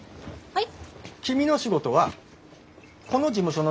はい。